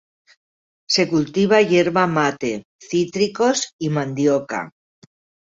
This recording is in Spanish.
Se cultiva yerba mate, cítricos y mandioca.